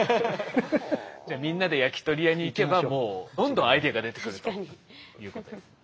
じゃあみんなで焼き鳥屋に行けばもうどんどんアイデアが出てくるということですね。